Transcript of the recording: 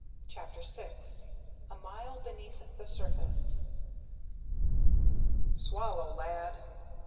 CHAPTER VI A MILE BENEATH THE SURFACE "Swallow, lad!"